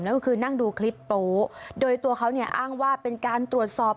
นั่นก็คือนั่งดูคลิปโป๊โดยตัวเขาเนี่ยอ้างว่าเป็นการตรวจสอบ